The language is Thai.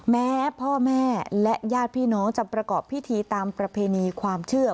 แม้พ่อแม่และญาติพี่น้องจะประกอบพิธีตามประเพณีความเชื่อ